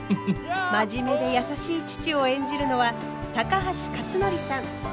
真面目で優しい父を演じるのは高橋克典さん。